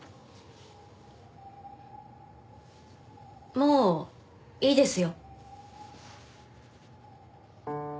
もういいですよ。